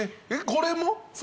これも？